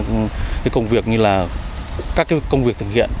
bao gồm các công việc như là các công việc thực hiện